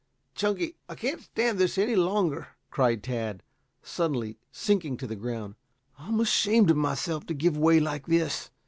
"Chunky, I can't stand this any longer," cried Tad, suddenly sinking to the ground. "I'm ashamed of myself to give way like this."